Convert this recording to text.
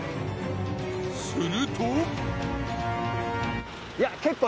すると。